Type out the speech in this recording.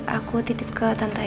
aku titip ke tante aja ya